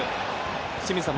清水さん